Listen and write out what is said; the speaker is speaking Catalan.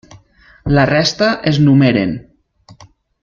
La resta es numeren.